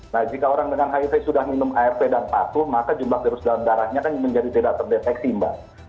nah jika orang dengan hiv sudah minum arv dan patuh maka jumlah virus dalam darahnya kan menjadi tidak terdeteksi mbak